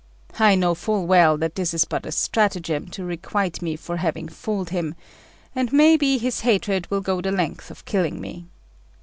I know full well that this is but a stratagem to requite me for having fooled him, and maybe his hatred will go the length of killing me.